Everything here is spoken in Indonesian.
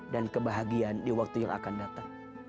dan kebahagiaan di waktu yang akan datang